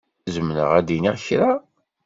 Zemreɣ ad d-iniɣ kra?